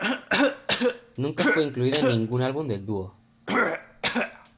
Nunca fue incluida en ningún álbum del dúo.